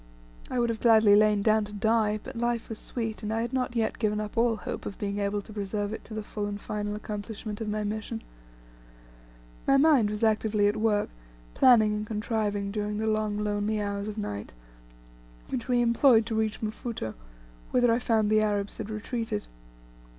I would gladly have lain down to die, but life was sweet, and I had not yet given up all hope of being able to preserve it to the full and final accomplishment of my mission. My mind was actively at work planning and contriving during the long lonely hours of night, which we employed to reach Mfuto, whither I found the Arabs had retreated.